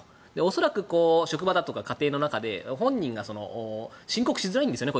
恐らく職場だとか家庭の中で本人が申告しづらいんですよね